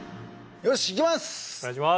よしいきます！